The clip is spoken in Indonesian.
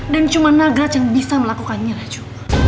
dan cuma nagraj yang bisa melakukannya raju